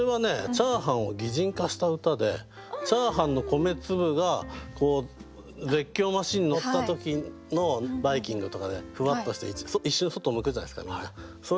チャーハンを擬人化した歌でチャーハンの米粒が絶叫マシンに乗った時のバイキングとかでふわっとして一瞬外向くじゃないですかみんな。